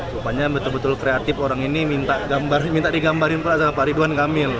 supaya betul betul kreatif orang ini minta digambarin oleh pak ridwan kamil